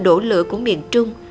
đổ lửa của miền trung